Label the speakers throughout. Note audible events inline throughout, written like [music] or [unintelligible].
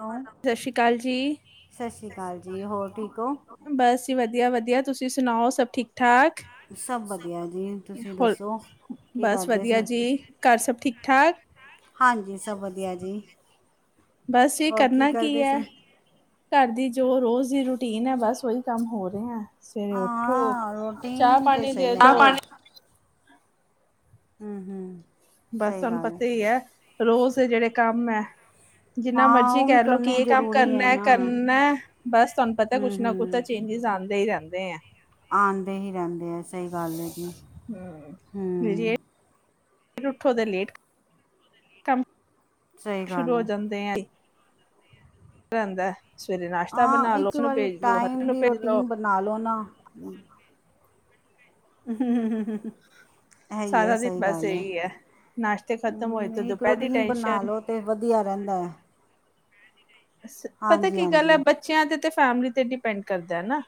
Speaker 1: Hello
Speaker 2: ਸਤਿ ਸ੍ਰੀ ਅਕਾਲ ਜੀ ਸਤਿ ਸ੍ਰੀ ਅਕਾਲ ਜੀ ਹੋਰ ਠੀਕ ਹੋ ਬਸ। ਵਧੀਆ ਵਧੀਆ ਤੁਸੀਂ ਸੁਣਾਓ ਸਭ ਠੀਕ ਠਾਕ
Speaker 1: ਸਭ ਵਧੀਆ ਜੀ ਤੁਸੀਂ
Speaker 2: ਹੋ
Speaker 1: ਦੱਸੋ? ਕੀ
Speaker 2: ਬਸ
Speaker 1: ਕਰਦੇ
Speaker 2: ਵਧੀਆ
Speaker 1: ਸੀ
Speaker 2: ਜੀ ਘਰ ਸਭ ਠੀਕ ਠਾਕ?
Speaker 1: ਹਾਂਜੀ ਸਭ ਵਧੀਆ ਜੀ।
Speaker 2: ਬਸ ਇਹ
Speaker 1: ਹੋਰ
Speaker 2: ਕਰਨਾ ਕੀ
Speaker 1: ਕਰਦੇ
Speaker 2: ਹੈ?
Speaker 1: ਸੀ
Speaker 2: ਘਰ ਦੀ ਜੋ ਰੋਜ਼ ਦੀ ਰੂਟੀਨ ਹੈ ਬਸ ਓਹੀ ਕੰਮ ਹੋ ਰਹੇ ਆ। ਸਵੇਰੇ ਉਠੋ
Speaker 1: ਹਾਂ
Speaker 2: ਚਾਹ
Speaker 1: ਰੋਟੀਨ ਤਾਂ
Speaker 2: ਪਾਣੀ
Speaker 1: ਸਹੀ
Speaker 2: ਦੇਦੋ।
Speaker 1: ਗੱਲ ਹਮ--ਹਮ
Speaker 2: ਬਸ ਤੁਹਾਨੂੰ ਪਤਾ ਹੀ ਹੈ ਰੋਜ਼ ਜਿਹੜੇ ਕੰਮ ਹੈ। ਜਿੰਨਾ
Speaker 1: ਹਾਂ
Speaker 2: ਮਰਜੀ
Speaker 1: ਉਹ ਵੀ
Speaker 2: ਕਹਿ ਲਓ ਕਿ
Speaker 1: ਕਰਨੇ
Speaker 2: ਇਹ ਕੰਮ
Speaker 1: ਜ਼ਰੂਰੀ ਹੈ ਨਾ ਹੂੰ
Speaker 2: ਕਰਨਾ-ਕਰਨਾ ਬਸ ਤੁਹਾਨੂੰ ਪਤਾ ਕੁੱਛ ਨਾ ਕੁੱਛ
Speaker 1: ਹੂੰ
Speaker 2: ਤਾਂ ਚੇਂਜਜ। ਜਾਂਦੇ ਹੀ ਰਹਿੰਦੇ ਆ
Speaker 1: ਆਉਂਦੇ ਹੀ ਰਹਿੰਦੇ ਆ ਸਹੀ ਗੱਲ ਹੈ ਜੀ
Speaker 2: ਫਿਰ ਉੱਠੋ ਦੇ ਲੇਟ ਕੰਮ
Speaker 1: ਸਹੀ
Speaker 2: ਸ਼ੁਰੂ
Speaker 1: ਗੱਲ
Speaker 2: ਹੋ
Speaker 1: ਹੈ
Speaker 2: ਜਾਂਦੇ ਆ ਰਹਿੰਦਾ ਹੈ ਸਵੇਰੇ ਨਾਸ਼ਤਾ
Speaker 1: ਹਾਂ
Speaker 2: ਬਣਾ ਲੋ
Speaker 1: ਇੱਕ
Speaker 2: ਉਹ ਨੂੰ
Speaker 1: ਵਾਰੀ
Speaker 2: ਭੇਜ ਲੋ ਹੱਟੀ
Speaker 1: ਟਾਈਮ
Speaker 2: ਨੂੰ
Speaker 1: ਦੀ
Speaker 2: ਭੇਜ ਲੋ
Speaker 1: ਰੂਟੀਨ ਬਣਾ ਲਓ ਨਾ ਇਹੀ ਹੈ
Speaker 2: ਸਾਰਾ ਦਿਨ
Speaker 1: ਸਹੀ
Speaker 2: ਬਸ
Speaker 1: ਗੱਲ ਹੈ
Speaker 2: ਇਹੀ ਨਾਸ਼ਤੇ ਖਤਮ ਹੋਏ ਤੇ
Speaker 1: ਨਹੀਂ
Speaker 2: ਦੁਪਹਿਰ ਦੀ
Speaker 1: ਰੂਟੀਨ ਬਣਾ
Speaker 2: ਟੈਨਸ਼ਨ
Speaker 1: ਲੋ ਤੇ ਵਧੀਆ ਰਹਿੰਦਾ ਹੈ
Speaker 2: ਪਤਾ
Speaker 1: ਹਾਂਜੀ
Speaker 2: ਕੀ ਗੱਲ ਹੈ
Speaker 1: ਹਾਂਜੀ
Speaker 2: ਬੱਚਿਆਂ ਤੇ-ਤੇ ਫੈਮਲੀ ਤੇ ਡਿਪੈਂਡ ਕਰਦਾ ਹੇਨਾ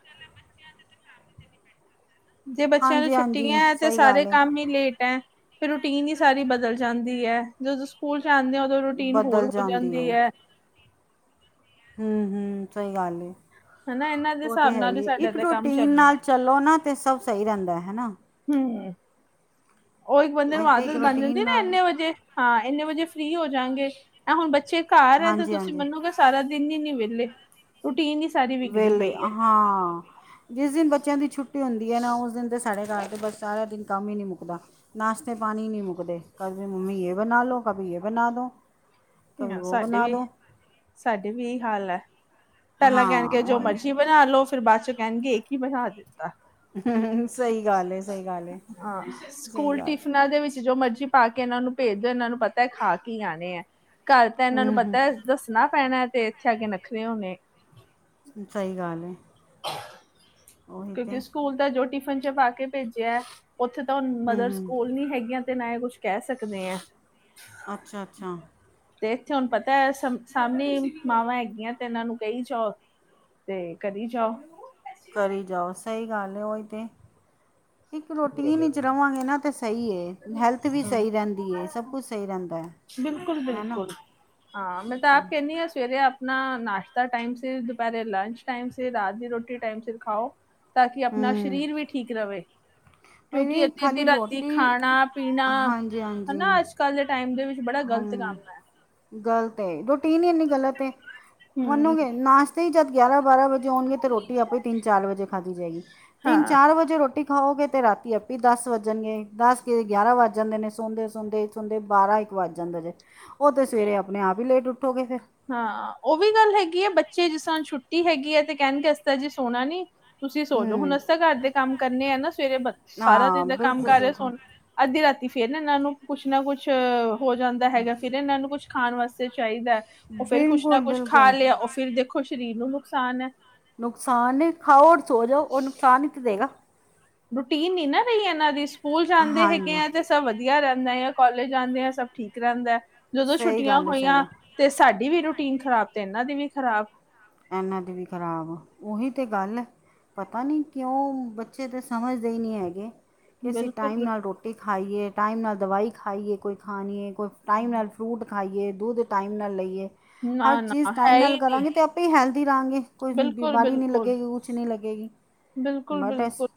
Speaker 2: ਜੇ ਬੱਚਿਆਂ ਨੂੰ
Speaker 1: ਹਾਂਜੀ ਹਾਂਜੀ
Speaker 2: ਛੁੱਟਟੀਆਂ ਤੇ
Speaker 1: ਸਹੀ
Speaker 2: ਸਾਰੇ
Speaker 1: ਗੱਲ ਹੈ
Speaker 2: ਕੰਮ ਹੀ ਲੇਟ ਹੈ ਫਿਰ ਰੂਟੀਨ ਹੀ ਸਾਰੀ ਬਦਲ ਜਾਂਦੀ ਹੈ ਜਦੋਂ ਸਕੂਲ ਜਾਂਦੇ ਓਦੋਂ ਰੂਟੀਨ ਹੋਰ ਹੋ ਜਾਂਦੀ ਹੈ
Speaker 1: ਹਮ-ਹਮ ਸਹੀ ਗੱਲ
Speaker 2: ਹਨਾ ਇਹਨਾਂ ਦੇ
Speaker 1: ਉਹ ਤੇ
Speaker 2: ਹਿਸਾਬ
Speaker 1: ਹੈ
Speaker 2: ਨਾਲ
Speaker 1: ਹੀ
Speaker 2: ਸਾਡਾ
Speaker 1: ਇੱਕ
Speaker 2: ਤਾਂ ਕੰਮ
Speaker 1: ਰੋਟੀਨ
Speaker 2: ਚੱਲਣਾ
Speaker 1: ਨਾਲ ਚਲੋ ਨਾ ਤੇ ਸਭ ਸਹੀ ਰਹਿੰਦਾ ਹੈ ਹਨਾ
Speaker 2: ਹਮ ਉਹ ਇੱਕ ਬੰਦੇ
Speaker 1: ਉਹੀ
Speaker 2: ਨੂੰ
Speaker 1: ਤਾਂ ਇੱਕ
Speaker 2: ਆਦਤ ਬਣ
Speaker 1: ਰੂਟੀਨ
Speaker 2: ਜਾਂਦੀ ਨਾ
Speaker 1: ਨਾਲ
Speaker 2: ਇੰਨੇ ਵਜੇ ਹਾਂ ਇੰਨੇ ਵਜੇ ਫ੍ਰੀ ਹੋ ਜਾਣਗੇ ਨਾ ਹੁਣ ਬ ਚ ਘਰ ਹੈ ਤੇ
Speaker 1: ਹਾਂਜੀ
Speaker 2: ਤੁਸੀਂ
Speaker 1: ਹਾਂਜੀ
Speaker 2: ਮੰਨੋਗੇ ਸਾਰਾ ਦਿਨ ਹੀ ਨੀ ਵਿਹਲੇ ਰੂਟੀਨ ਹੀ ਸਾਰੀ ਵਿਗੜੀ
Speaker 1: ਵੇਹਲੇ
Speaker 2: ਪਈ
Speaker 1: ਹਾਂ ਜਿਸ ਦਿਨ ਬੱਚਿਆਂ ਦੀ ਛੁੱਟੀ ਹੁੰਦੀ ਹੈ ਨਾ ਉਸ ਦਿਨ ਤੇ ਸਾਡੇ ਘ ਬਸ ਸਾਰਾ ਦਿਨ ਕੰਮ ਹੀ ਨਹੀਂ ਮੁੱਕਦਾ ਨਾਸ਼ਤੇ ਪਾਣੀ ਨਹੀਂ ਮੁੱਕਦੇ ਕਦੇ ਮੰਮੀ ਇਹ ਬਣਾ ਲਓ ਕਭੀ ਇਹ ਬਣਾ ਬਨਾਂ ਦੋ ਕਭੀ ਉਹ
Speaker 2: ਸਾਡੇ
Speaker 1: ਬਣਾ
Speaker 2: ਵੀ
Speaker 1: ਦੋ
Speaker 2: ਸਾਡੇ ਵੀ ਇਹ ਹਾਲ ਹੈ ਪਹਿਲਾਂ
Speaker 1: ਹਾਂ
Speaker 2: ਕਹਿਣਗੇ ਜੋ
Speaker 1: ਉਹ
Speaker 2: ਮਰਜੀ ਬਣਾ ਲੋ ਫਿਰ ਬਾਅਦ ਚੋਂ ਕਹਿਣਗੇ ਇਹ ਕੀ ਬਣਾ ਦਿੱਤਾ
Speaker 1: ਹੂੰ, ਸਹੀ ਗੱਲ ਏ, ਸਹੀ ਗੱਲ ਏ,
Speaker 2: ਹਾਂ
Speaker 1: ਸਹੀ
Speaker 2: ਸਕੂਲ
Speaker 1: ਗੱਲ ਏ।
Speaker 2: ਟਿਫਨਾਂ ਦੇ ਵਿੱਚ ਜੋ ਮਰਜੀ ਪਾ ਕੇ ਇਹਨਾਂ ਨੂੰ ਭੇਜ ਦਿਓ ਇਹਨਾਂ ਨੂੰ ਪਤਾ ਹੈ ਖਾ ਕੀ ਆਣੇ ਹੈ ਘਰ ਤਾਂ ਇਹਨਾਂ ਨੂੰ
Speaker 1: ਹੂੰ-ਹੂੰ,
Speaker 2: ਪਤਾ ਦੱਸਣਾ ਪੈਣਾ ਤੇ ਇੱਥੇ ਆ ਕੇ ਨਖਰੇ ਹੋਣੇ
Speaker 1: ਸਹੀ ਗੱਲ ਉਹੀ ਤੇ
Speaker 2: ਕਿਉਂਕਿ ਸਕੂਲ ਦਾ ਜੋ ਟਿਫਿਨ ਚ ਪਾ ਕੇ ਭੇਜਿਆ ਉੱਥੇ ਤਾ ਮਦਰਸ
Speaker 1: ਹੂੰ-ਹੂੰ,
Speaker 2: ਕੋਲ ਨੀ ਹੈਗੀਆਂ ਤੇ ਨਾ ਇਹ ਕੁਛ ਕਹਿ ਸਕਦੇ ਆ
Speaker 1: ਅੱਛਾ-ਅੱਛਾ
Speaker 2: ਤੇ ਇੱਥੇ ਹੁਣ ਪਤਾ ਹੈ ਸਾਹਮਣੇ ਮਾਵਾਂ ਹੈਗੀਆਂ ਤੇ ਇਹਨਾਂ ਨੂੰ ਕਹੀ ਚੋ ਤੇ ਕਰੀ ਜਾਓ
Speaker 1: ਕਰੀ ਜਾਓ ਸਹੀ ਗੱਲ ਹੈ ਉਹੀ ਤੇ ਇੱਕ ਰੂਟੀਨ ਵਿੱਚ ਰਹਾਂਗੇ ਨਾ ਤਾਂ ਸਹੀ ਹੈ ਹੈਲਥ ਵੀ ਸਹੀ ਰਹਿੰਦੀ ਹੈ ਸਭ ਕੁਛ ਸਹੀ ਰਹਿੰਦਾ ਹੈਨਾ,
Speaker 2: ਬਿਲਕੁਲ-ਬਿਲਕੁਲ ਹਾਂ ਮੈਂ ਤਾਂ ਆਪ ਕਹਿੰਦੀ ਹਾਂ ਸਵੇਰੇ ਆਪਣਾ ਨਾਸ਼ਤਾ ਟਾਈਮ ਸ ਦੁਪਹਿਰੇ ਲੰਚ ਟਾਈਮ ਸ ਰਾਤ ਦੀ ਰੋਟੀ ਟਾਈਮ ਸੀ ਖਾਓ ਤਾਂ ਕਿ ਆਪਣਾ
Speaker 1: ਹੂੰ,
Speaker 2: ਸਰੀਰ ਵੀ ਠੀਕ ਰਵੇ
Speaker 1: ਇਹ
Speaker 2: ਕਿਉਂਕਿ
Speaker 1: ਵੀ
Speaker 2: ਅੱਧੀ-ਅੱਧੀ
Speaker 1: ਖਾਲੀ
Speaker 2: ਰਾਤੀ
Speaker 1: ਰੋਟੀ
Speaker 2: ਖਾਣਾ ਪੀਣਾ
Speaker 1: ਹਾਂਜੀ-ਹਾਂਜੀ,
Speaker 2: ਹਨਾ ਅੱਜ ਕੱਲ ਦੇ ਟਾਈਮ ਦੇ ਵਿੱਚ ਬੜਾ ਗ਼ਲਤ ਤੇ ਕੰਮ ਹੈ
Speaker 1: ਗ਼ਲਤ ਏ ਰੁਟੀਨ ਹੀ ਇੰਨੀ ਗਲਤ ਏ
Speaker 2: [inaudible]
Speaker 1: ਮੰਨੋਗੇ ਨਾਸ਼ਤੇ ਹੀ ਜਦ ਗਿਆਰਾਂ ਬਾਰਾਂ ਵਜੇ ਆਉਣਗੇ ਤੇ ਰੋਟੀ ਆਪੇ ਤਿੰਨ ਚਾਰ ਵਜੇ ਖਾਧਦੀ ਜਾਏਗੀ ਤਿੰਨ ਚਾਰ
Speaker 2: ਹਾਂ
Speaker 1: ਚਾਰ ਵਜੇ ਰੋਟੀ ਖਾਓਗੇ ਤੇ ਰਾਤੀ ਆਪੇ ਦਸ ਵੱਜਣਗੇ ਦੱਸ ਕੇ ਗਿਆਰਾਂ ਵੱਜ ਜਾਂਦੇ ਨੇ ਸੋਂਦੇ-ਸੌਦੇ ਸੁਣਦੇ ਬਾਰਾਂ ਇੱਕ ਵੱਜ ਜਾਂਦਾ ਜੇ ਉਹ ਤੇ ਸਵੇਰੇ ਆਪਣੇ ਆਪ ਹੀ ਲੇਟ ਉੱਠੋਗੇ ਫੇਰ
Speaker 2: ਹਾਂ ਉਹ ਵੀ ਗੱਲ ਹੈਗੀ ਆ। ਬੱਚੇ ਜਿਸ ਤਰ੍ਹਾਂ ਛੁੱਟੀ ਹੈਗੀ ਹੈ। ਤੇ ਕਹਿਣਗੇ ਅਦਾ ਜੀ ਸੋਣਾ ਨੀ ਤੁਸੀਂ ਸੋਚੋ ਹੁਣ
Speaker 1: ਹੂੰ
Speaker 2: ਅਸੀਂ ਤਾਂ ਘਰ ਦੇ ਕੰਮ ਕਰਨੇ ਆ ਨਾ। ਸਵੇਰੇ ਸਾਰਾ
Speaker 1: ਹਾਂ
Speaker 2: ਦਿਨ ਦਾ ਕੰਮ
Speaker 1: ਬਿਲਕੁਲ
Speaker 2: ਕਰ ਰਿਹਾ।
Speaker 1: ਬਿਲਕੁਲ
Speaker 2: ਸਣ ਅੱਧੀ ਰਾਤੀ ਫੇਰ ਨਾ ਇਹਨਾਂ ਨੂੰ ਕੁਛ ਨਾ ਕੁਛ ਹੋ ਜਾਂਦਾ ਹੈਗਾ। ਫਿਰ ਇਹਨਾਂ ਨੂੰ ਕੁੱਝ ਖਾਣ ਵਾਸਤੇ ਚਾਹੀਦਾ ਉਹ ਫੇਿਰ ਕੁਛ
Speaker 1: ਬਿਲਕੁਲ
Speaker 2: ਨਾ ਕੁਛ ਖਾ
Speaker 1: ਬਿਲਕੁਲ
Speaker 2: ਲਿਆ ਉਹ ਫਿਰ ਦੇਖੋ ਸਰੀਰ ਨੂੰ ਨੁਕਸਾਨ ਹੈ।
Speaker 1: ਨੁਕਸਾਨ ਨ ਖਾਓ ਰ ਸੋ ਜਾਓ ਉਹ ਨੁਕਸਾਨ ਹੀ ਤੇ ਦੇਗਾ।
Speaker 2: ਰੂਟੀਨ ਨ ਨਾ ਰਹੀ ਇਹਨਾਂ ਦੀ ਸਕੂਲ ਜਾਂਦੇ ਹੈਗੇ
Speaker 1: ਹਾਂਜੀ
Speaker 2: ਆ ਤੇ ਸਭ ਵਧੀਆ ਵਧੀਆ ਰਹਿੰਦਾ ਹੈ ਕੋਾਲਜ ਜਾਂਦੇ ਆ ਸਭ ਠੀਕ ਰਹਿੰਦਾ ਜਦੋਂ
Speaker 1: ਸਹੀ
Speaker 2: ਛੁੱਟੀਆਂ
Speaker 1: ਗੱਲ ਹੈ ਸਹੀ
Speaker 2: ਹੋਈਆਂ
Speaker 1: ਗੱਲ
Speaker 2: ਤੇ ਸਾਡੀ ਵੀ ਰੁਟੀ ਟੀਨ ਖਰਾਬ ਤੇ ਇਹਨਾਂ ਦੀ ਵੀ ਖਰਾਬ।
Speaker 1: ਇਹਨਾਂ ਦੀ ਵੀ ਖ਼ਰਾਬ ਉਓਹੀ ਤੇ ਗੱਲਇਹ। ਪਤਾ ਨਹੀਂ ਕਿਉਂ ਬੱਚੇ ਤਾਂ ਸਮਝਦੇ ਹੀ ਨਹੀਂ ਹੈਗੇ। ਕਿ ਅਸੀਂ ਟਾਈਮ
Speaker 2: ਬਿਲਕੁਲ
Speaker 1: ਨਾਲ ਰੋਟੀ ਖਾਈਏ ਟਾਈਮ ਨਾਲ ਦਵਾਈ ਖਾਈਏ ਕੋਈ ਖਾਣੀਏ। ਕੋਈ ਟਾਈਮ ਨਾਲ ਫਰੂਟ ਖਾਈਏ ਦੁੱਧ ਟਾਈਮ ਨਾਲ ਲਈਏ ਹਰ
Speaker 2: ਨਾ
Speaker 1: ਚੀਜ਼
Speaker 2: ਨਾ ਹੈ
Speaker 1: ਟਾਈਮ
Speaker 2: ਹੀ
Speaker 1: ਨਾਲ
Speaker 2: ਨਹੀਂ
Speaker 1: ਕਰਾਂਗੇ ਅਤੇ ਆਪ ਹੈਲਦੀ ਰਹਾਂਗੇ ਕੋਈ
Speaker 2: ਬਿਲਕੁਲ
Speaker 1: ਬਿਮਾਰੀ ਨਹੀਂ
Speaker 2: ਬਿਲਕੁਲ
Speaker 1: ਲੱਗੇਗੀ ਕੁ ਨਹੀਂ ਲੱਗੇਗੀ
Speaker 2: ਬਿਲਕੁਲ
Speaker 1: ਬਟ ਐ
Speaker 2: ਬਿਲਕੁਲ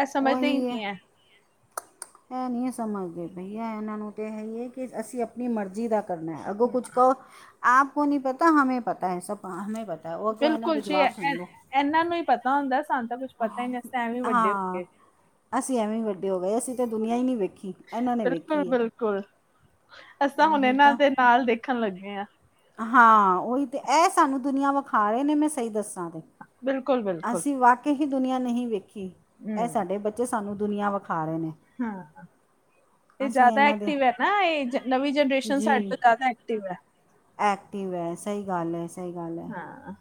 Speaker 2: ਇਹ ਸਮਝਦੇ ਹੀ ਨਹੀਂ ਹੈ।
Speaker 1: ਇਹ ਨਹੀਂ ਸਮਝਦੇ ਬਈਆ ਇਹਨਾਂ ਨੂੰ ਤੇ ਹੈ-ਹੈ ਕਿ ਅਸੀਂ ਆਪਣੀ ਮਰਜ਼ੀ ਦਾ। ਕਰਨਾ ਹੈ ਅੱਗੋਂ ਕੁਛ ਕਹੋ ਆਪ ਕੋ ਨਹੀਂ ਪਤਾ ਹਮੇ ਪਤਾ ਹੈ। ਸਭ ਹਮੇ ਪਤਾ ਹੈ ਉਹ ਅੱਗੋਂ ਇਹਨਾਂ
Speaker 2: ਬਿਲਕੁਲ
Speaker 1: ਦੇ
Speaker 2: ਜੀ
Speaker 1: ਜਵਾਬ ਸੁਣ ਲਓ
Speaker 2: ਇਹਨਾਂ ਨੂੰ ਹੀ ਪਤਾ ਹੁੰਦਾ ਸੰਤ ਤਾਂ ਕੁੱਛ ਪਤਾ ਹੀ ਵਸਤੇ ਐਵੇ ਵੀ ਵੱਡੇ ਹੋ
Speaker 1: ਹਾਂ
Speaker 2: ਗਏ
Speaker 1: ਅਸੀਂ ਐਵੇਂ ਹੀ ਵੱਡੇ ਹੋ ਗਏ ਅਸੀਂ ਤਾਂ ਦੁਨੀਆਂ ਹੀ ਨਹੀਂ ਵੇਖੀ ਇਹਨਾਂ ਨੇ ਵੇਖੀ ਹੈ।
Speaker 2: ਅਸੀ ਤੇ ਹੁਣ
Speaker 1: ਉਹੀ
Speaker 2: ਇਹਨਾਂ
Speaker 1: ਤਾਂ
Speaker 2: ਦੇ ਨਾਲ ਦੇਖਣ ਲੱਗੇ ਹਾਂ।
Speaker 1: ਹਾਂ ਉਹੀ ਤੇ ਇਹ ਸਾਨੂੰ ਦੁਨੀਆਂ ਵਿਖਾ ਰਹੇ ਨੇ ਮੈਂ ਸਹੀ ਦੱਸ
Speaker 2: ਬਿਲਕੁਲ ਬਿਲਕੁਲ
Speaker 1: ਅਸੀਂ ਵਾਕੇ ਹੀ ਦੁਨੀਆਂ ਨਹੀਂ ਵੇਖੀ ਕੀ ਇਹ
Speaker 2: ਹਮ
Speaker 1: ਸਾਡੇ ਬੱਚੇ ਸਾਨੂੰ ਦੁਨੀਆਂ ਵਿਖਾ ਰਹੇ ਨੇ।
Speaker 2: ਹਾਂ ਇਹ
Speaker 1: ਅਸੀਂ
Speaker 2: ਜ਼ਿਆਦਾ
Speaker 1: ਇਹਨਾਂ ਦੇ
Speaker 2: ਐਕਟਿਵ ਹੈ ਨਾ ਇਹ ਨਵੀਂ ਜਨਰੇਸ਼ਨ ਸਾਡੇ
Speaker 1: ਜੀ
Speaker 2: ਤੋਂ ਜ਼ਿਆਦਾ ਐਕਟਿਵ ਹੈ।
Speaker 1: ਐਕਟਿਵ ਵੀਿਆ ਸਹੀ ਗੱਲ ਹੈ।
Speaker 2: ਹਾਂ।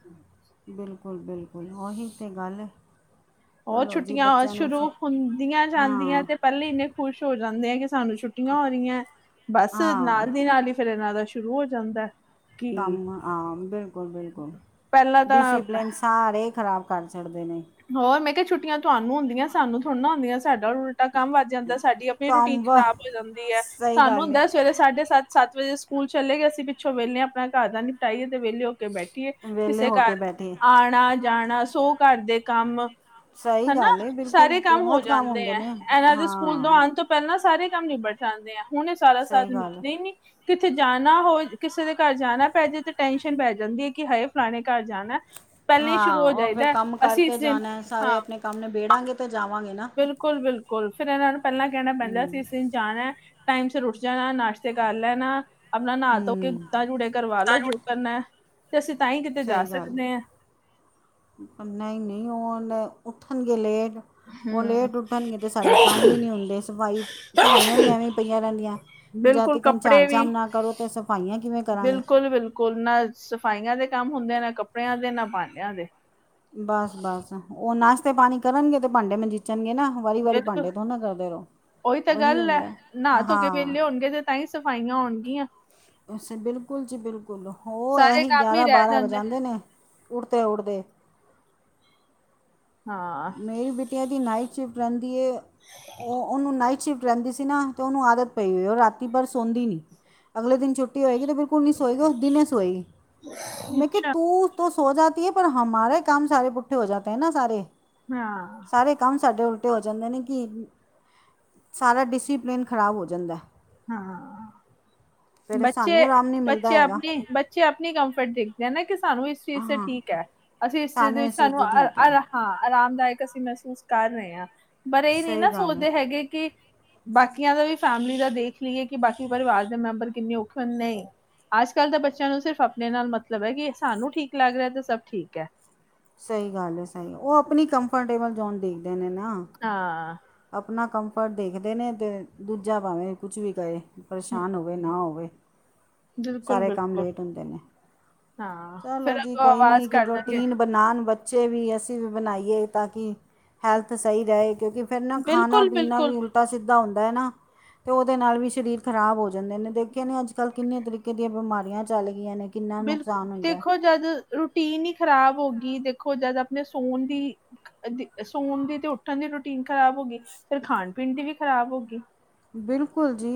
Speaker 1: ਬਿਲਕੁਲ-ਬਿਲਕੁਲ ਉਓਹੀ ਤਾਂ ਗੱਲ ਇਹ।
Speaker 2: ਉਹ ਛੁੱਟੀਆਂ ਸ਼ੁਰੂ ਹੁੰਦੀਆਂ ਜਾਂਦੀਆਂ
Speaker 1: ਹਾਂ
Speaker 2: ਤੇ ਪਹਿਲੇ ਇੰਨੇ ਖੁਸ਼ ਹੋ ਜਾਂਦੇ ਆ ਕਿ ਸਾਨੂੰ ਛੁੱਟੀਆਂ ਹੋ ਰਹੀਆਂ ਹੈ ਬਸ
Speaker 1: ਹਾਂ
Speaker 2: ਨਾਲ ਦੀ ਨਾਲ ਹੀ ਫਿਰਨਾ ਦਾ ਸ਼ੁਰੂ ਹੋ ਜਾਂਦਾ ਕਿ
Speaker 1: ਕੰਮ ਆਾਂ ਬਿਲਕੁਲ
Speaker 2: ਪਹਿਲਾਂ ਤਾਂ
Speaker 1: ਬਿਲਕੁਲ-ਡਿਸਪਲਿਨ ਸਾਰੇ ਖ਼ਰਾਬ ਕਰ ਡਦੇ
Speaker 2: ਹੋਰ ਮੈਂ ਕਿਹਾ ਛੱਟੀਆਂ ਤੁਹਾਨੂੰ ਹੁੰਦੀਆਂ ਸਾਨੂੰ ਥੋੜ੍ਹ ਨਾ ਹੁੰਦੀਆਂ ਸਾਡਾ ਉਲਟਾ ਕੰਮ ਵੱਧ ਜਾਂਦਾ ਸਾਡੀ ਆਪਣੀ ਰੂਟੀਨ
Speaker 1: ਕੰਮ ਵਾ
Speaker 2: ਖਰਾਬ ਹੋ ਜਾਂਦੀ ਹੈ
Speaker 1: ਸਹੀ
Speaker 2: ਸਾਨੂੰ
Speaker 1: ਗੱਲ ਏ
Speaker 2: ਹੁੰਦਾ ਸਵੇਰੇ ਸਾਢੇ ਸੱਤ-ਸੱਤ ਵਜੇ। ਸਕੂਲ ਚਲੇ ਗਏਸੀਂ ਪਿੱਛੋਂ ਵਹਲੇ ਹਾਂ। ਆਪਣਾ ਘਰ ਦਾ ਨ ਪਟਾਈਏ ਤੇ ਵਿਹਲੇਓ ਬੈਠੀਏ
Speaker 1: ਵਿਹਲੇ
Speaker 2: ਕਿਸੇ
Speaker 1: ਹੋ ਕੇ
Speaker 2: ਘਰ
Speaker 1: ਬੈਠੇ
Speaker 2: ਆਣਾ ਜਾਣਾ ਸੋ ਘਰ ਦੇ ਕੰਮ
Speaker 1: ਸਹੀ
Speaker 2: ਹਨਾ
Speaker 1: ਗੱਲ ਏ ਬਿਲਕੁਲ
Speaker 2: ਸਾਰੇ ਕੰਮ ਹੋ
Speaker 1: ਬਹੁਤ
Speaker 2: ਜਾਂਦੇ
Speaker 1: ਹੁੰਦੇ
Speaker 2: ਹੈ
Speaker 1: ਨੇ
Speaker 2: ਇਹਨਾਂ ਦੇ ਸਕੂਲ ਤੋਂ
Speaker 1: ਹਾਂ
Speaker 2: ਆਉਣ ਤੋਂ ਪਹਿਲਾਂ ਸਾਰੇ ਮ ਨਿਬੜ ਜਾਂਦੇ ਆ ਹੁਣ ਇਹ ਸਾਰਾ ਸਾਥ
Speaker 1: ਸਹੀ ਗੱਲ
Speaker 2: ਉੱਠਦੇ ਹੀ ਨ ਕਿੱਥੇ ਜਾਣਾ ਹੋ ਕਿਸੇ ਦੇ ਘਰ ਜਾਣਾ ਪਜੇ ਤੇ ਟੈਸ਼ਨ ਪੈ ਜਾਂਦੀ ਹੈ। ਕਿ ਹਾ ਫਲਾਣੇ ਘਰ ਜਾਣਾ ਪਹਿਲਾਂ ਹੀ
Speaker 1: ਹਾਂ
Speaker 2: ਸ਼ੁਰੂ ਹੋ
Speaker 1: ਉਹ ਫਿਰ
Speaker 2: ਜਾਈਦਾ,
Speaker 1: ਕੰਮ
Speaker 2: ਅਸੀਂ।
Speaker 1: ਕਰਕੇ
Speaker 2: ਇਸ ਦਿਨ
Speaker 1: ਜਾਣਾ,
Speaker 2: ਹਾਂ
Speaker 1: ਸਾਰੇ ਆਪਣੇ ਕੰਮ ਨਬੇੜਾਂਗੇ ਤੇ ਜਾਵਾਂਗੇ ਨਾ
Speaker 2: ਫੇਰ ਇਹਨਾਂ ਨੂੰ ਪਹਿਲਾਂ ਕਹਿਣਾ ਪੈਂਦਾ, ਅਸੀ
Speaker 1: ਹੂੰ
Speaker 2: ਇਸ ਦਿਨ ਜਾਣਾ, ਟਾਈਮ ਸਿਰ ਉੱਠ ਜਾਣਾ, ਨਾਸ਼ਤੇ ਕਰ ਲੈਣਾ ਆਪਣਾ ਨਾਹਾ ਤੋਂ ਕੇ
Speaker 1: ਹੂੰ
Speaker 2: ਗੁੱਤਾ ਜੁੜੇ ਕਰਵਾ ਲੋ ਜੋ ਕਰਨਾ ਤੇ ਅਸੀਂ ਤਾਂ ਹੀ ਕਿਤੇ ਜਾ
Speaker 1: ਸਹੀ ਗੱਲ
Speaker 2: ਸਕਦੇ ਹਾਂ
Speaker 1: ਪਰ ਨਹੀਂ-ਨਹੀਂ ਉਹ ਉੱਠਣ ਗ ਲੇਟ। ਉਹ
Speaker 2: ਹਮ
Speaker 1: ਲੇਟ ਉੱਠਣਗੇ ਤੇ ਸਾਡੇ ਕੰਮ ਵੀ ਨਹੀਂ ਹੁੰਦੇ ਸਫ਼ਾਈ ਸਫਾਈਆਂ ਵੀ ਐਵੇਂ ਪਈਆਂ ਰਹਿੰਦੀਆਂ। ਜਦ
Speaker 2: ਬਿਲਕੁਲ
Speaker 1: ਤੱਕ ਝਾੜ
Speaker 2: ਕੱਪੜੇ ਵੀ
Speaker 1: ਝਾਮ ਨਾ ਕਰੋ ਤਾਂ ਸਫਾਈਆਂ ਕਿਵੇਂ ਕਰਾਂਗੇ
Speaker 2: ਬਿਲਕੁਲ-ਬਿਲਕੁਲ ਨਾ ਸਫ਼ਾਈਆਂ ਦੇ ਕੰਮ ਹੁੰਦੇ ਆ ਨਾ ਕੱਪੜਿਆਂ ਦੇ ਨਾ ਭਾਂਡਿਆਂ ਦੇ।
Speaker 1: ਬਸ-ਬਸ ਉਹ ਨਾਸ਼ਤੇ ਪਾਣੀ ਕਰਨਗੇ ਤੇ ਭਾਂਡੇ ਮਜੀਚਣਗੇ ਨਾ ਵਾਰੀ-ਵਾਰੀ
Speaker 2: ਬਿਲਕੁਲ
Speaker 1: ਭਾਂਡੇ ਥੋੜ ਨਾ ਕਰਦੇ ਰਹੋ।
Speaker 2: ਉਹੀ ਤਾਂ ਗੱਲ ਹੈ
Speaker 1: ਹੁੰਦਾ
Speaker 2: ਨਾਹਾ ਧੋ ਕੇ
Speaker 1: ਹਾਂ
Speaker 2: ਵਿਹਲੇ ਹੋਣਗੇ ਤੇ ਤਾਂ ਹੀ ਸਫਾਈਆਂ ਹੋਣਗ
Speaker 1: ਅ ਬਿਲਕੁਲ ਜੀ ਬਿਲਕੁਲ ਉਹ
Speaker 2: ਸਾਰੇ
Speaker 1: ਐਹੀ
Speaker 2: ਕੰਮ ਹੀ
Speaker 1: ਗਿਆਰਾਂ
Speaker 2: ਰਹਿ
Speaker 1: ਬਾਰਾਂ ਵਜ ਜਾਂਦੇ ਨੇ ਉੜਦੇ-ਉੜਦੇ
Speaker 2: ਹਾਂ
Speaker 1: ਮੇਰੀ ਬਿੱਟੀਆ ਦੀ ਨਾਈਟ ਸ਼ਿਫਟ ਰਹਿੰਦੀ ਏ ਉਹ ਉਹਨੂੰ ਨਾਈਟ ਸ਼ਿਫਟ ਰਹਿੰਦੀ ਸੀ ਨਾ ਤੋ ਉਹਨੂੰ ਆਦਤ ਪਈ ਹੋਈ ਉਹ ਰਾਤੀ ਭਰ ਸੋਦੀ ਨੀ ਅਗਲੇ ਦਿਨ ਛੁੱਟੀ ਹੋਏਗੀ। ਤੇ ਬਿਲਕੁਲ ਨਹੀਂ ਉਹ ਦਿਨੇ ਸੋਇਗੀ ਮੈਂ ਕਿਹਾ
Speaker 2: ਅੱਛਾ
Speaker 1: ਤੂੰ ਵੋ ਸੋ ਜਾਤੀ ਹੈ ਪਰ ਹਮਾਰਾ ਕੰਮ ਸਾਰੇ ਪੁੱਠੇ ਹੋ ਜਾਤੇ ਹੈ ਨਾ ਸਾਰੇ
Speaker 2: ਹਾਂ
Speaker 1: ਸਾਰੇ ਕੰਮ ਸਾਡੇ ਉਲ ਟ ਹੋ ਜਾਂਦੇ ਨੇ ਕਿ ਸਾਰਾ ਡਿਸਪਲਿਨ ਖਰਾਬ ਹੋ ਜਾਂਦਾਏ।
Speaker 2: ਹਾਂ।
Speaker 1: ਫਿਰ ਸਾਨੂੰ ਆਰਾਮ ਨਹੀਂ ਮਿਲਦਾ
Speaker 2: ਬੱਚੇ-ਬੱਚੇ
Speaker 1: ਹੈਗਾ
Speaker 2: ਆਪਣੀ ਬੱਚੇ ਆਪਣੀ ਕੰਮਫਰਟ ਦੇਖਦੇ ਨਾ ਕਿਸ ਸਾਨੂੰ ਇਸ ਚੀਜ਼ ਤੇ
Speaker 1: ਹਾਂ
Speaker 2: ਠੀਕ ਹੈ ਅਸੀਂ ਇਸ ਚੀਜ਼ [unintelligible] ਸਾਨੂੰ ਆ ਆਰਾਮ ਹਾਂ। ਲਾਈਕ ਅਸੀਂ ਮਹਿਸੂਸ ਕਰ ਰਹੇ ਹਾਂ, ਪਰ ਇਹ ਨਹੀਂ
Speaker 1: ਸਹੀ
Speaker 2: ਨਾ
Speaker 1: ਗੱਲ ਹੈ
Speaker 2: ਸੋਚਦੇ ਹੈਗੇ ਕਿ ਬਾਕੀਆਂ ਦਾ ਵੀ ਫੈਮਿਲੀ ਦਾ ਦੇਖ ਲਈਏ, ਕਿ ਬਾਕੀ ਪਰਿਵਾਰ ਦੇ ਮੈਂਬਰ ਕਿੰਨੇ ਔਖੇ ਨੇ, ਨਹੀ। ਅੱਜ ਕੱਲ੍ਹ ਦੇ ਬੱਚਿਆਂ ਨੂੰ, ਸਿਰਫ਼ ਆਪਣੇ ਨਾਲ ਮਤਲਬ ਹੈ, ਕਿ ਸਾਨੂੰ ਠੀਕ ਲੱਗ ਰਿਹਾ ਤੇ ਸਭ ਠੀਕ ਹੈ।
Speaker 1: ਸਹੀ ਗੱਲ ਹੈ ਸਹੀ ਉਹ ਆਪਣੀ ਕੰਫਰਟੇਬਲ ਜ਼ੋਨ ਦੇਖ
Speaker 2: ਹਾਂ।
Speaker 1: ਆਪਣਾ ਕੰਫਰਟ ਦੇਖਦੇ ਨੇ, ਤੇ ਦੂਜਾ ਭਾਵੇਂ ਕੁਛ ਵੀ ਕਹੇ। ਪਰੇਸ਼ਾਨ ਹੋਵੇ ਨਾ ਹੋਵੇ,
Speaker 2: ਬਿਲਕੁਲ
Speaker 1: ਸਾਰੇ ਕੰਮ
Speaker 2: ਬਿਲਕੁਲ
Speaker 1: ਲੇਟ ਹੁੰਦੇ ਨੇ।
Speaker 2: ਹਾਂ
Speaker 1: ਚਲੋ
Speaker 2: ਫੇਰ
Speaker 1: ਜੀ
Speaker 2: ਅੱਗੋਂ
Speaker 1: ਕੋਈ ਨੀ
Speaker 2: ਆਵਾਜ਼
Speaker 1: ਇੱਕ
Speaker 2: ਕਰ ਦੇਣਗੇ
Speaker 1: ਰੋਟੀਨ ਬਨਾਨ ਬੱਚ ਇਹ ਵੀ ਅਸੀਂ ਵੀ ਬਣਾਈਏ, ਤਾਂ ਕਿ ਹੈਲਥ ਸਹੀ ਰਹੇ ਕਿਉਂਕਿ ਫਿਰ ਨਾ ਖਾਣਾ
Speaker 2: ਬਿਲਕੁਲ
Speaker 1: ਪੀਣਾ
Speaker 2: ਬਿਲਕੁਲ
Speaker 1: ਵੀ ਉਲਟਾ ਸਿਧਾ ਹੁੰਦਾ ਹੈ ਨਾ। ਤੇ ਉਹਦੇ ਨਾਲ ਵੀ ਸਰੀਰ ਖ਼ਰਾਬ ਹੋ ਜਾਂਦੇ ਨੇ ਦੇਖੇ ਨੇ ਅੱਜ ਕੱਲ੍ਹ ਕਿੰਨੇ ਤਰੀਕੇ ਦੀਆਂ ਬਿਮਾਰੀਆਂ ਚੱਲ ਗਈਆਂ ਨੇ ਕਿੰਨਾ
Speaker 2: ਬਿਲਕੁਲ,
Speaker 1: ਨੁਕਸਾਨ ਹੁੰਦਾ
Speaker 2: ਦੇਖੋ ਜਦ ਰੂਟੀਨ ਹੀ ਖ਼ਰਾਬ ਹੋ ਗਈ, ਦੇਖੋ ਜਦ ਆਪਣੇ ਸੋਨ ਦੀ ਸੋਨ ਦੀ ਤੇ ਉੱਠਣ ਦੀ ਰੂਟੀਨ ਖਰਾਬ ਹੋ ਗਈ ਫਿਰ ਖਾਣ ਪੀਣ ਦੀ ਵੀ ਖਰਾਬ ਹੋ ਗਈ।
Speaker 1: ਬਿਲਕੁਲ ਜੀ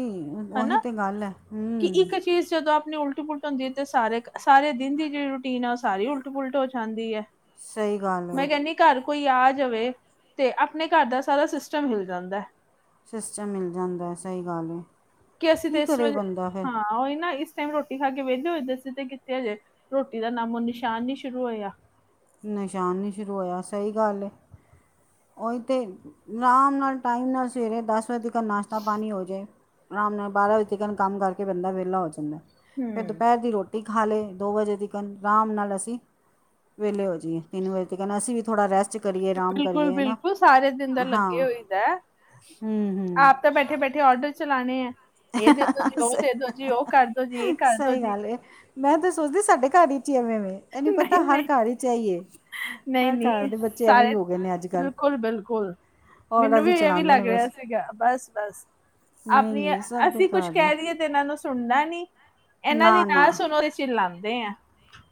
Speaker 1: ਉਹੀ
Speaker 2: ਹਨਾ
Speaker 1: ਤੇ ਗੱਲ ਹੈ,
Speaker 2: ਕਿ
Speaker 1: ਹੂ
Speaker 2: ਇੱਕ ਚੀਜ਼ ਜਦੋਂ ਆਪਣੀ ਉਲਟ ਪੁਲਟ ਹੁੰਦੀ ਤੇ ਸਾਰੇ ਸਾਰੇ ਦਿਨ ਦੀ ਜਿਹੜੀ ਰੂਟੀਨ ਐ, ਉਹ ਸਾਰੀ ਉਲਟ ਪੁਲਟ ਹੋ ਜਾਂਦੀ ਏ।
Speaker 1: ਸਹੀ ਗੱਲ ਹੈ।
Speaker 2: ਕੋਈ ਆ ਜਾਵੇ, ਤੇ ਆਪਣੇ ਘਰ ਦਾ ਸਾਰਾ ਸਿਸਟਮ ਹਿਲ ਜਾਂਦਾ ਏ।
Speaker 1: ਸਿਸਟਮ ਹਿਲ ਜਾਂਦਾ ਏ ਸਹੀ ਗੱਲ ਏ।
Speaker 2: ਕਿ ਅਸੀਂ ਤੇ ਇਸ ਵੇ, ਹਾਂ ਉਹੀ ਨਾ ਟ ਰੋਟੀ ਖਾ ਕੇ ਵੇਲੇ ਹੋਏ ਦੇ ਸੀ, ਤੇ ਕਿੱਥੇ ਹਜੇ ਰੋਟੀ ਦਾ ਨਾਮੋ ਨਿਸ਼ਾਨ ਨੀ ਸ਼ੁਰੂ ਹੋਇਆ।
Speaker 1: ਨਿਸ਼ਾਨ ਨਹੀਂ ਸ਼ੁਰੂ ਹੋਇਆ, ਸਹੀ ਗੱਲ ਏ। ਔ ਹੀ ਤੇ, ਆਰਾਮ ਨਾਲ ਟਾਈਮ ਨਾਲ ਸਵੇਰੇ ਦਸ ਵਜੇ ਨਾਸ਼ਤਾ ਪਾਣੀ ਹੋ ਜਾਏ, ਆਰਾਮ ਨਾਲ ਬਾਰਾਂ ਵਜੇ ਤਕ ਕੰਮ ਕਰਕੇ ਬੰਦਾ ਵੇਲਾ ਹੋ ਜਾਂਦਾਏ। ਫਿਰ
Speaker 2: ਹੂੰ।
Speaker 1: ਦੁਪਹਿਰ ਦੀ ਰੋਟੀ ਖਾ ਲਏ, ਦੋ ਵਜੇ ਤਿਕਨ ਆਰਾਮ ਨਾਲ ਅਸੀਂ। ਵੇਲੇ ਹੋ ਜਈਏ, ਤਿੰਨ ਵਜੇ ਤਿਕਣ ਅਸੀਂ ਵੀ ਥੋੜਾ ਰੈਸਟ ਕਰੀਏ ਆਰਾਮ ਕਰੀਏ ਹੈ ਨਾ
Speaker 2: ਬਿਲਕੁਲ-ਬਿਲਕੁਲ ਸਾਰੇ ਦਿਨ ਦਾ
Speaker 1: ਹਾਂ
Speaker 2: ਲੱਗੇ ਹੋਈ ਦਾ ਐ।
Speaker 1: ਹੂੰ ਹੂੰ
Speaker 2: ਆਪ ਤਾਂ ਬੈਠੇ-ਬੈਠੇ ਆਰਡਰ ਚਲਾਨੇ ਏ। ਏ ਦੇ ਦੋ ਜੀ, ਉਹ ਦੇ ਦੋ ਜੀ, ਉਹ ਕਰਦੋ ਜੀ, ਏ
Speaker 1: ਸਹੀ
Speaker 2: ਕਰਦੋ
Speaker 1: ਸਹੀ
Speaker 2: ਜੀ।
Speaker 1: ਗੱਲ ਏ ਮੈਂ ਤੇ ਸੋਚਦੀ ਸੀ ਸਾਡੇ ਘਰ ਵਿੱਚ ਹੀ ਐਵੇਂ ਵੇ, ਐਨੀ ਪੱਤਾ ਹਰ ਘਰ ਚ ਇਹੀ ਏ। ਹਰ ਘਰ
Speaker 2: ਨਹੀਂ-ਨਹੀਂ
Speaker 1: ਦੇ ਬੱਚੇ ਐਵੇਂ ਹੀ
Speaker 2: ਸਾਰੇ
Speaker 1: ਹੋ ਗਏ ਨੇ ਅੱਜ ਕੱਲ੍ਹ
Speaker 2: ਬਿਲਕੁਲ-ਬਿਲਕੁਲ। ਮੈਨੂੰ
Speaker 1: ਔਡਰ
Speaker 2: ਵੀ ਐਵੇਂ ਹੀ
Speaker 1: ਚਲਾਉਂਦੇ ਨੇ
Speaker 2: ਲੱਗ ਰਿਹਾ
Speaker 1: ਬਸ
Speaker 2: ਸੀਗਾ, ਬਸ-ਬਸ
Speaker 1: ਨਹੀਂ ਮ
Speaker 2: ਅਸੀਂ ਕੁਛ ਕਹਿ ਦਈਏ ਤੇ ਇਹਨਾਂ ਨੂੰ ਸੁਣਦਾ ਨੀ, ਇਹਨਾਂ ਦੀ ਨਾ ਸੁਣੋ, ਤੇ ਜਿਲਾਂਦੇ ਐ।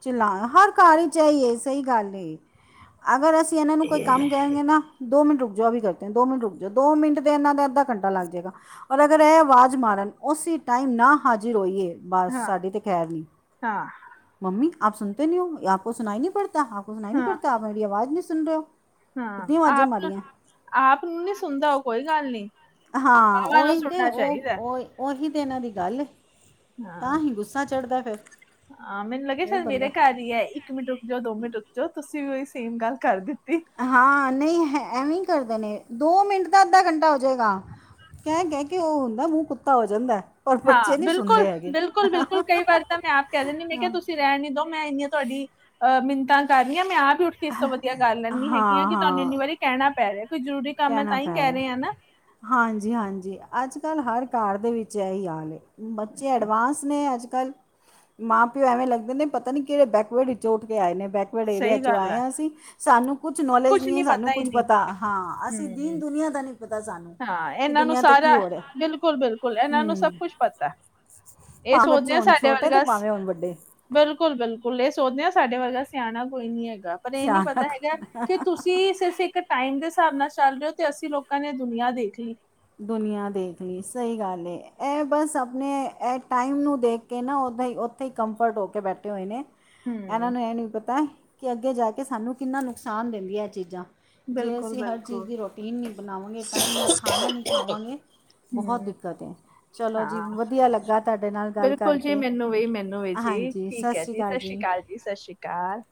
Speaker 1: ਚਲਾਾਹ ਹਰ ਅਰ ਚ ਇਹੀ ਐ, ਸਹੀ ਗੱਲ ਅਗਰ ਅਸੀਂ ਇਹਨਾਂ ਨੂੰ ਕੋਈ ਕਮ ਕੈਨਗੇ ਨਾ, ਦੋ ਮਿੰਟੁ ਰੁਕ ਜੋ ਵੀ ਕਰਦੇ ਦੋ ਮਿੰਟ ਰੁਕੋ, ਦੋ ਮਿੰਟ ਤੇ ਇਹਨਾ ਦਾ ਅੱਧਾ ਘੰਟਾ ਲੱਗ ਜਾਏਗਾ, ਔਰ ਅਗਰ ਇਹ ਆਵਾਜ਼ ਮਾਰਨ ਉਸੀ ਉਸੀ ਟਾਈਮ ਨਾ ਹਾਜ਼ਰ ਹੋਈਏ ਬਸ
Speaker 2: ਹਾਂ
Speaker 1: ਸਾਡੀ ਤੇ ਖੈਰ ਨੀ,
Speaker 2: ਹਾਂ
Speaker 1: ਮੰਮੀ ਆਪ ਸੁਣਤੇ ਨੀ ਹੋ ਆਪਕੋ ਸੁਨਾਈ ਨੀ ਪੜਤੀ। ਕਿਆ ਆਪਕੋ ਸੁਣਾਈ ਨੀ
Speaker 2: ਹਾਂ
Speaker 1: ਪੜਤਾ, ਮੇਰੀ ਆਵਾਜ਼ ਨਹੀਂ ਸੁਣ ਰਹੇ ਹੋ।
Speaker 2: ਹਾਂ ਆਪ ਨੂੰ ਆਪ ਨੂੰ ਨੀ ਸੁਣਦਾ, ਔ ਕੋਈ ਗੱਲ ਨਹੀ।
Speaker 1: ਹਾਂ ਓਹੀ ਤੇ ਉਹ ਹੀ ਓਹੀ ਤੇ, ਇਹਨਾਂ ਦੀ ਗੱਲ ਏ। ਤਾਂ
Speaker 2: ਹਾਂ
Speaker 1: ਹੀ ਗੁੱਸਾ ਚੜ੍ਹਦਾ।
Speaker 2: ਹਾਂ ਮੈਨੂੰ ਲੱਗਿਆ ਸ਼ਾਇਦ ਮੇਰੇ ਘਰ ਹੀ ਹੈ, ਇੱਕ ਮਿੰਟ ਰੁਕ ਜਾਓ, ਦੋ ਮਿੰਟ ਰੁਕ ਜਾਓ ਤੁਸੀਂ ਤੁਸੀ ਵੀ ਉਹੀ ਸੇਮ ਗੱਲ ਕਰ ਦਿੱਤੀ।
Speaker 1: ਹਾਂ ਨਹੀਂ ਹੈ, ਐਵੇਂ ਕਰਦੇ ਨੇ। ਦੋ ਮਿੰਟ ਤਾਂ ਅੱਧਾ ਘੰਟਾ ਹੋ ਜਾਵੇਗਾ, ਕਹਿ ਕਹਿ ਕੇ ਉਹ ਹੁੰਦਾ, ਮੂੰਹ ਕੁੱਤਾ ਹੋ ਜਾਂਦਾ। ਪਰ
Speaker 2: ਹਾਂ
Speaker 1: ਬੱਚੇ ਨਹੀਂ ਸੁਣਦੇ
Speaker 2: ਬਿਲਕੁਲ
Speaker 1: ਹੈਗੇ
Speaker 2: ਬਿਲਕੁਲ ਬਿਲਕੁਲ ਕਈ ਵਾਰ ਤਾਂ ਮੈਂ ਆਪ ਕਹਿ ਦਿੰਦੀ, ਮੈਂ ਕਿਹਾ ਤੁਸੀਂ ਰਹਿਣ ਨੀ ਦੋ ਮੈਂ ਇੰਨੀਆਂ ਤੁਹਾਡੀ ਅਹ ਮਿੰਨਤਾਂ ਕਰ ਰਹੀ ਹ ਮੈਂ ਆਪ ਉੱਠ ਕੇ ਇਸ ਤੋਂ ਵਧੀਆ
Speaker 1: ਹਾਂ
Speaker 2: ਗੱਲਿੰਨੀ ਹੈਗੀ ਆ ਕਿ ਤੁਹਾਨੂੰ
Speaker 1: ਹਾਂ
Speaker 2: ਇੰਨੀ ਵਾਰੀ ਕਹਿਣਾ ਪੈ ਰਿਹਾ ਕੋਈ ਜ਼ਰੂਰੀ ਕੰਮ ਹੈ
Speaker 1: ਕਹਿਣਾ
Speaker 2: ਤਾਂ ਹੀ
Speaker 1: ਪੈ
Speaker 2: ਕਹਿ
Speaker 1: ਰਿਹਾ
Speaker 2: ਰਹੇ ਆ ਨਾ
Speaker 1: ਹਾਂਜੀ ਹਾਂਜੀ ਅੱਜ ਅੱਜ ਕੱਲ੍ਹ ਹਰ ਘਰ ਦੇ ਵਿੱਚ ਇਹ ਹੀ ਆਾਲਏ ਬੱਚੇ ਐਡਵਾਂਸ ਨੇ ਅੱਜ ਕੱਲ੍ਹ ਮਾਂ ਪਿਓ ਐਵੇਂ ਲੱਗਦੇ ਨੇ ਪਤਾ ਨੀ ਕਿਹੜੇ ਬੈਕਵਰਡ ਵਿੱਚ ਉੱਠ ਕੇ ਆਏ ਨੇ ਬੈਕਰਡ ਏਰੀਆ
Speaker 2: ਸਹੀ
Speaker 1: ਚੋਂ
Speaker 2: ਗੱਲ
Speaker 1: ਆਏ
Speaker 2: ਹੈ
Speaker 1: ਹ ਅਸੀਂ ਸਾਨੂੰ ਕੁਛ ਨੌਲੇਜ
Speaker 2: ਨੀ
Speaker 1: ਨਹੀਂ ਸਾਨੂੰ
Speaker 2: ਹੀ
Speaker 1: ਕੁਛ
Speaker 2: ਨਹੀਂ
Speaker 1: ਪਤਾ ਹਾਂ ਅਸੀਂ ਦੀਨ
Speaker 2: ਹਮ
Speaker 1: ਦੁਨੀਆਂ ਦਾ ਨਹੀਂ ਪਤਾ ਸਾਨੂੰ
Speaker 2: ਹਾਂ
Speaker 1: ਕਿ
Speaker 2: ਇਹਨਾਂ ਨੂੰ
Speaker 1: ਦੁਨੀਆ 'ਤੇ ਕੀ
Speaker 2: ਸਾਰਾ
Speaker 1: ਹੋ ਰਿਹਾ
Speaker 2: ਬਿਲਕੁਲ ਬਿਲਕੁਲ ਇਹਨਾਂ ਨੂੰ ਸਭ
Speaker 1: ਹੂੰ
Speaker 2: ਕੁਛ ਪਤਾ ਇਹ
Speaker 1: ਭਾਵੇਂ ਬੱਚੇ
Speaker 2: ਸੋਚਦੇ ਹ
Speaker 1: ਹੁਣ
Speaker 2: ਸਾਡੇ
Speaker 1: ਛੋਟੇ ਅਤੇ
Speaker 2: ਵਰਗਾ
Speaker 1: ਭਾਵੇਂ ਹੁਣ ਵੱਡੇ
Speaker 2: ਬਿਲਕੁਲ ਬਿਲਕੁਲ ਇਹ ਸੋਚਦੇ ਆਾਂ ਸਾਡੇ ਵਰਗਾ ਸਿਆਣਾ ਕੋਈ ਨੀ ਹੈਗਾ ਪਰ ਇਹ ਨੀ ਪਤਾ ਹੈਗਾ ਕਿ
Speaker 1: ਸਿਆਣਾ
Speaker 2: ਤੁਸੀਂ ਸਿਰਫ ਇੱਕ ਟਾਈਮ ਦੇ ਹਿਸਾਬ ਨਾਲ ਚੱਲ ਰਿਓ ਤੇ ਅਸੀਂ ਲੋਕਾਂ ਨੇ ਦੁਨੀਆਂ ਦੇਖ ਲਈ
Speaker 1: ਦੁਨੀਆਂ ਦੇਖ ਲਈ ਸਹੀ ਗੱਲ ਇਹ ਬਸ ਆਪਣੇ ਟਾਈਮ ਨੂੰ ਦੇਖ ਕੇ ਨਾ ਉੱਦਾਂ ਹੀ ਉੱਥੇ ਹੀ ਕੰਫਰਟ ਹੋ ਕੇ ਬੈਠੇ ਹੋਏ ਨੇ ਇਹਨਾਂ
Speaker 2: ਹਮ
Speaker 1: ਨੂੰ ਇਹ ਨਹੀਂ ਪਤਾ ਕਿ ਅੱਗੇ ਜਾ ਕੇ ਸਾਨੂੰ ਕਿੰਨਾ ਨੁਕਸਾਨ ਦਿੰਦੀਆਂ ਇਹ ਚੀਜ਼ਾਂ ਜੇ
Speaker 2: ਬਿਲਕੁਲ
Speaker 1: ਅਸੀਂ ਹਰ ਚੀਜ਼
Speaker 2: ਬਿਲਕੁਲ
Speaker 1: ਦੀ ਰੋਟੀਨ ਨਹੀਂ ਬਣਾਵਾਂਗੇ ਟਾਈਮ ਨਾਲ ਖਾਣਾ ਨਹੀਂ ਖਾਵਾਂਗੇ ਬਹੁਤ
Speaker 2: ਹਮ
Speaker 1: ਦਿੱਕਤ ਹੈ ਚਲੋ ਜੀ
Speaker 2: ਹਾਂ
Speaker 1: ਵਧੀਆ ਲੱਗਾ ਤੁਹਾਡੇ ਨਾਲ ਗੱਲ
Speaker 2: ਬਿਲਕੁਲ ਜੀ
Speaker 1: ਕਰਕੇ
Speaker 2: ਮੈਨੂੰ ਵੀ ਮੈਨੂੰ ਵੀ ਜੀ ਠੀਕ ਹੈ ਜੀ ਸਤਿ ਸ਼੍ਰੀ ਅਕਾਲ ਜੀ ਸਤਿ ਸ਼੍ਰੀ ਅਕਾਲ